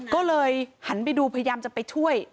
ก็เลยหันไปดูพยายามจะไปช่วย